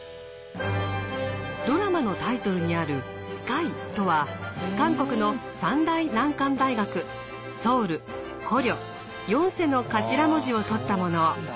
ドラマのタイトルにある「ＳＫＹ」とは韓国の３大難関大学「ソウル」「高麗」「延世」の頭文字を取ったもの。